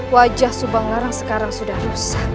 wajah subang larang sekarang sudah rusak